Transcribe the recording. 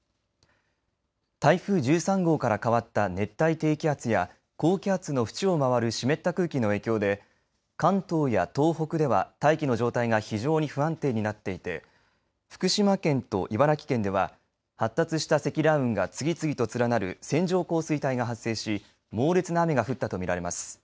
台風１３号から変わった熱帯低気圧や高気圧の縁を回る湿った空気の影響で関東や東北では大気の状態が非常に不安定になっていて福島県と茨城県では発達した積乱雲が次々と連なる線状降水帯が発生し猛烈な雨が降ったと見られます。